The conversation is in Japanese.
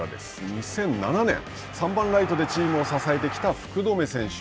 ２００７年、３番ライトでチームを支えてきた福留選手。